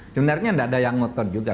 sebenarnya tidak ada yang ngotot juga